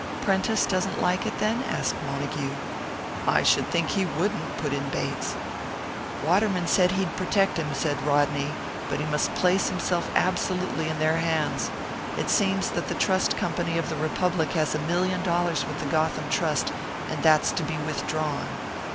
"Prentice doesn't like it, then?" asked Montague. "I should think he wouldn't!" put in Bates. "Waterman said he'd protect him," said Rodney. "But he must place himself absolutely in their hands. It seems that the Trust Company of the Republic has a million dollars with the Gotham Trust, and that's to be withdrawn."